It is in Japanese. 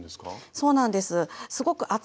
そうなんです。